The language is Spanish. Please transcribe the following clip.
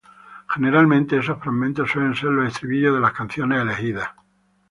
Generalmente, esos fragmentos suelen ser los estribillos de las canciones elegidas.